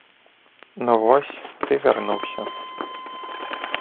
Ну вось, ты вярнуўся.